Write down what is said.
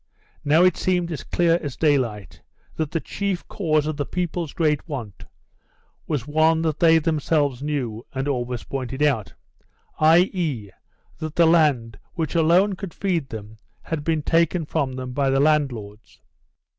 Now it seemed as clear as daylight that the chief cause of the people's great want was one that they themselves knew and always pointed out, i.e., that the land which alone could feed them had been taken from them by the landlords.